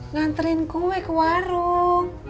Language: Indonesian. ngantriin kue ke warung